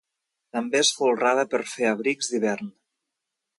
També es folrava per fer abrics d'hivern.